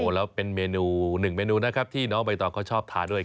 แล้วเป็นเมนูหนึ่งเมนูนะครับที่น้องใบตองเขาชอบทานด้วย